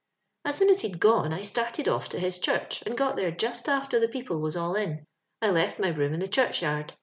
"As soon as he'd gone I started off to his church, and got there just after the people was all in. I left my broom in the churchyard.